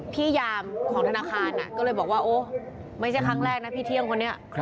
ยามของธนาคารก็เลยบอกว่าโอ้ไม่ใช่ครั้งแรกนะพี่เที่ยงคนนี้